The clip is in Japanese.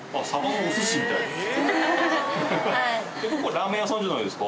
ここラーメン屋さんじゃないですか。